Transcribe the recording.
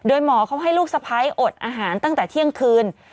โดยหมอเขาให้ลูกสะพ้ายอดอาหารตั้งแต่เที่ยงคืน